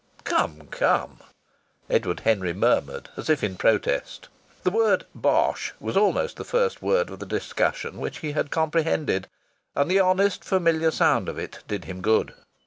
"Come, come!" Edward Henry murmured as if in protest. The word "bosh" was almost the first word of the discussion which he had comprehended, and the honest familiar sound of it did him good.